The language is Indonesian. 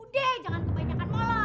udah jangan kebanyakan molor